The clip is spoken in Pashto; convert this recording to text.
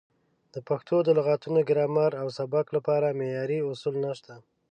د پښتو د لغتونو، ګرامر او سبک لپاره معیاري اصول نشته.